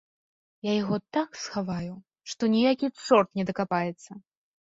Я яго так схаваю, што ніякі чорт не дакапаецца.